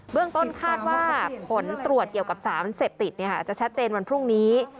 เรื่องต้นคาดว่าผลตรวจเกี่ยวกับสารเสพติดจะชัดเจนวันพรุ่งนี้